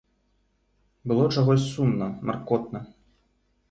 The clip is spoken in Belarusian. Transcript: Было чагось сумна, маркотна.